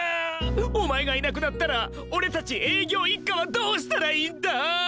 お前がいなくなったら俺たち営業一課はどうしたらいいんだ！